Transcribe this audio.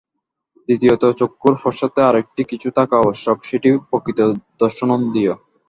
দ্বিতীয়ত চক্ষুর পশ্চাতে আর একটা কিছু থাকা আবশ্যক, সেটিই প্রকৃত দর্শনেন্দ্রিয়।